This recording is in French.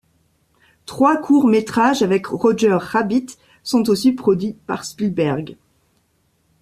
Trois courts métrages avec Roger Rabbit sont aussi produits par Spielberg.